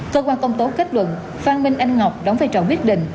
cơ quan công tố kết luận phan minh anh ngọc đóng vai trò quyết định